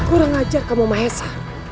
kurang ajar kamu mahesa